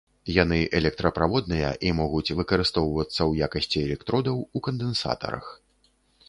Яны электраправодныя і могуць выкарыстоўвацца ў якасці электродаў ў кандэнсатарах.